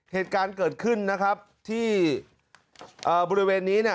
เหตุการณ์เกิดขึ้นที่บริเวณนี้